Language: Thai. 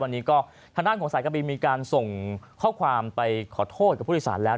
วันนี้ก็ทางด้านของสายการบินมีการส่งข้อความไปขอโทษกับผู้โดยสารแล้ว